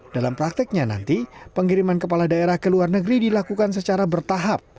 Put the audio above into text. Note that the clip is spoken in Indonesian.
dalam prakteknya nanti pengiriman kepala daerah ke luar negeri dilakukan secara bertahap